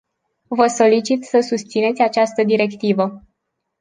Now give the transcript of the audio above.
Vă solicit să susțineți această directivă.